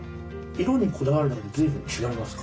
色にこだわるだけで随分違いますか？